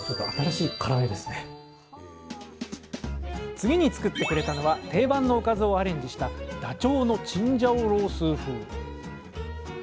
次に作ってくれたのは定番のおかずをアレンジしたダチョウのチンジャオロースー風。